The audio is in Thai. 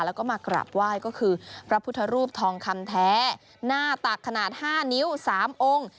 แล้วก็มากราบไหว้ก็คือพระพุทธรูปทองคำแท้หน้าตักขนาด๕นิ้ว๓องค์